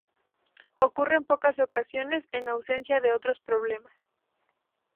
Ocurre en pocas ocasiones en ausencia de otros problemas.